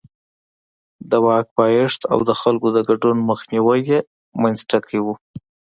د واک پایښت او د خلکو د ګډون مخنیوی یې منځ ټکی و.